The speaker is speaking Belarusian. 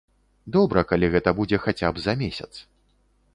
Добра, калі гэта будзе хаця б за месяц.